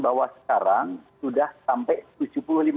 bahwa sekarang sudah sampai